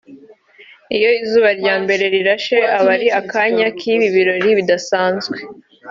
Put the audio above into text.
iyo izuba ryambere rirashe aba ari akanya kibi birori bidasanzwe